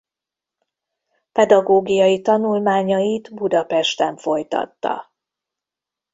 Pedagógiai tanulmányait Budapesten folytatta.